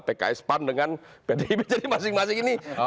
pks pan dengan pdip jadi masing masing ini